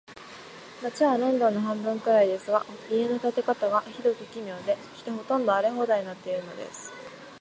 街はロンドンの半分くらいですが、家の建て方が、ひどく奇妙で、そして、ほとんど荒れ放題になっているのです。